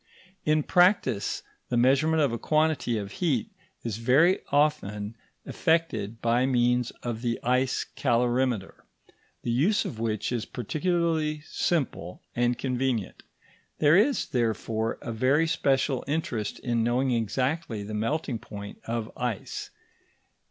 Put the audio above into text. In practice, the measurement of a quantity of heat is very often effected by means of the ice calorimeter, the use of which is particularly simple and convenient. There is, therefore, a very special interest in knowing exactly the melting point of ice.